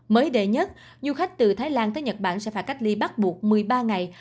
mới đệ nhất du khách từ thái lan tới nhật bản sẽ phải cách ly bắt buộc một mươi ba ngày